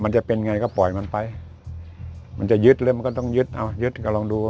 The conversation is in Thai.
มันจะเป็นไงก็ปล่อยมันไปมันจะยึดหรือมันก็ต้องยึดเอายึดก็ลองดูว่า